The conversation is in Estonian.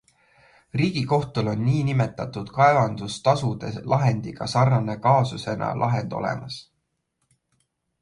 Riigikohtul on niinimetatud kaevandustasude lahendiga sarnase kaasusena lahend olemas.